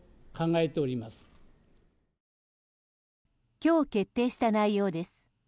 今日決定した内容です。